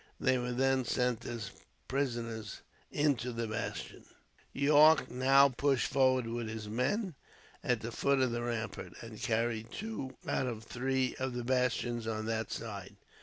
They were then sent, as prisoners, into the bastion. Yorke now pushed forward, with his men, at the foot of the rampart; and carried two out of three of the bastions on that side.